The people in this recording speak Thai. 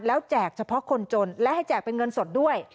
แล้วแจกเฉพาะคนจนและให้แจกเป็นเงินสดด้วย